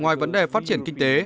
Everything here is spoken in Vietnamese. ngoài vấn đề phát triển kinh tế